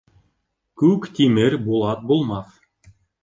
Күк тимер булат булмаҫ.